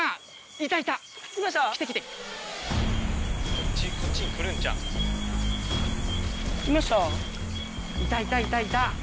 いたいたいたいた。